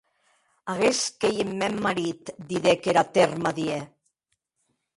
Aguest qu’ei eth mèn marit didec era Thermadier.